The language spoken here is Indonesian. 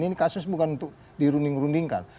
ini kasus bukan untuk dirunding rundingkan